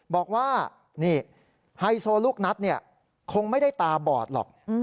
บอกว่านี่ไฮโซลูกนัดคงไม่ได้ตาบอดหรอก